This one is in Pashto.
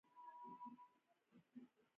زه لا هلته نه يم تللی چې لاړشم تا ته به وويم